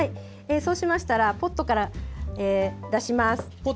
そうしましたらポットから出します。